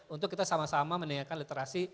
untuk kita sama sama meningkatkan literasi